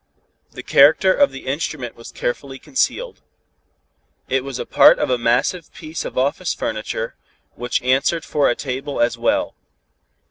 The character of the instrument was carefully concealed. It was a part of a massive piece of office furniture, which answered for a table as well.